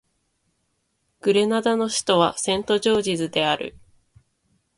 グレナダの首都はセントジョージズである